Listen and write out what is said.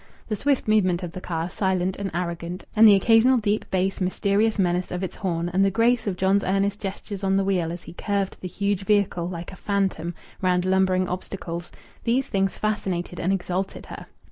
The swift movement of the car, silent and arrogant, and the occasional deep bass mysterious menace of its horn, and the grace of John's Ernest's gestures on the wheel as he curved the huge vehicle like a phantom round lumbering obstacles these things fascinated and exalted her.